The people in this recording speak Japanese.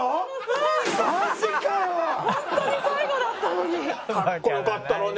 ホントに最後だったのに。